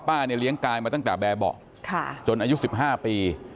เนี่ยเลี้ยงกายมาตั้งแต่แบบเบาะจนอายุ๑๕ปี